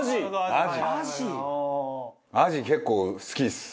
アジ結構好きです。